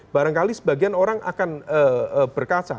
barangkali sebagian orang akan berkaca